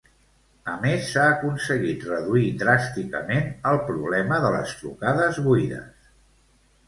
A més, s'ha aconseguit reduir dràsticament el problema de les trucades buides.